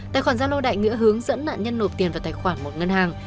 tài khoản gia lô đại nghĩa hướng dẫn nạn nhân nộp tiền vào tài khoản một ngân hàng